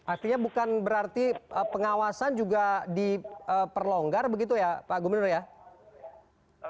artinya bukan berarti pengawasan juga diperlonggar begitu ya pak gubernur ya